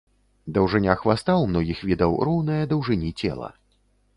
Даўжыня хваста ў многіх відаў роўная даўжыні цела.